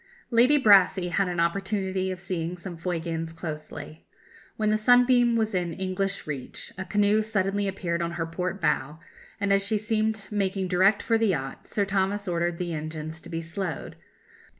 Lady Brassey had an opportunity of seeing some Fuegians closely. When the Sunbeam was in English Reach, a canoe suddenly appeared on her port bow, and as she seemed making direct for the yacht, Sir Thomas ordered the engines to be slowed.